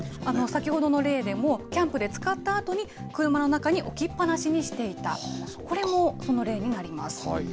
先ほどの例でも、キャンプで使ったあとに車の中に置きっぱなしにしていた、これもその例になります。